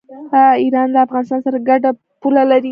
ایران له افغانستان سره ګډه پوله لري.